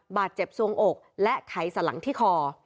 บาดเจ็บสวงอกและไขสระหลังที่คอ